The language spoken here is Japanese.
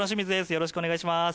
よろしくお願いします。